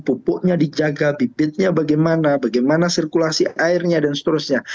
pupuknya dijaga bibitnya bagaimana bagaimana sirkulasi airnya dan seterusnya